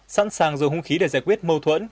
sẵn sàng dùng hung khí để giải quyết mâu thuẫn